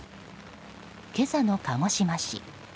今朝の鹿児島市。